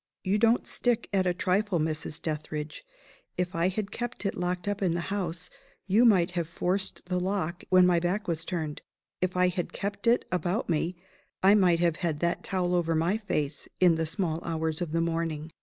You don't stick at a trifle, Mrs. Dethridge. If I had kept it locked up in the house, you might have forced the lock when my back was turned. If I had kept it about me I might have had that towel over my face, in the small hours of the morning!